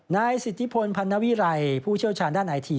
นายสิทธิพลพันนวิไรผู้เชี่ยวชาญด้านไอที